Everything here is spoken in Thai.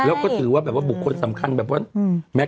แล้วก็ถือว่าบุคคลสำคัญแบบว่า